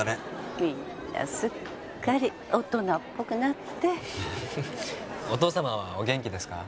みんなすっかり大人っぽくなってお父様はお元気ですか？